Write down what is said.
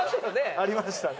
ありましたね。